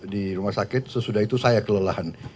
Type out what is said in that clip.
di rumah sakit sesudah itu saya kelelahan